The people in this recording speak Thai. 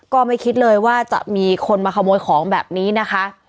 ก็ไม่คิดเลยว่าจะมีคนมาขโมยของแบบนี้นะคะ